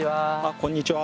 こんにちは。